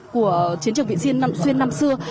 của chiến trường vị xuyên năm xưa